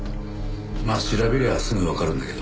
まあ調べりゃすぐわかるんだけど。